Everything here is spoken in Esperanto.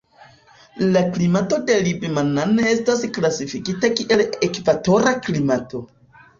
La klimato de Libmanan estas klasifikita kiel ekvatora klimato.